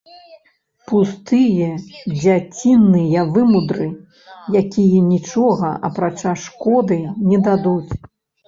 Пустыя дзяціныя вымудры, якія нічога, апрача шкоды, не дадуць.